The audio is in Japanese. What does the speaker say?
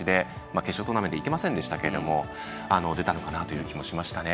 決勝トーナメントにいけませんでしたけれども出たのかなという気がしましたね。